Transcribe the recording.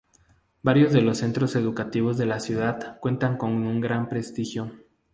Varios de los centros educativos de la ciudad cuentan con un gran prestigio.